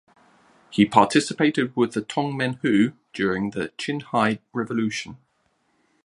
He participated with the Tongmenghui during the Xinhai Revolution.